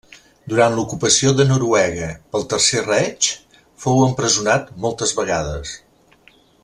Durant l'ocupació de Noruega pel Tercer Reich fou empresonat moltes vegades.